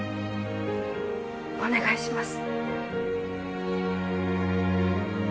お願いします